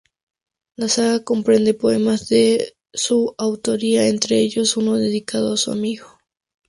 La saga comprende poemas de su autoría, entre ellos uno dedicado a su amigo.